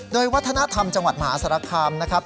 โดยวัฒนธรรมจังหวัดมหาสารคามนะครับ